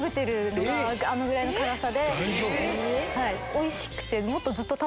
おいしくて。